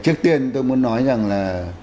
trước tiên tôi muốn nói rằng là